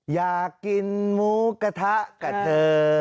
อยากกินหมูกระทะกับเธอ